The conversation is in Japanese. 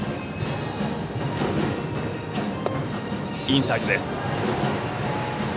インサイドです。